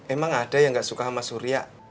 emang ada yang gak suka sama surya